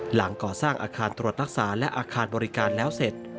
หลังก่อสร้างอาคารตรวจรักษาและอาคารบริการแล้วเสร็จ